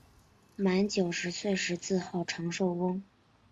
满九十岁时自号长寿翁。